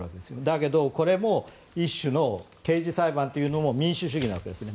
だけど、これも一種の刑事裁判というのも民主主義のわけですね。